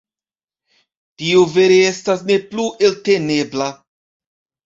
Tio vere estas ne plu eltenebla.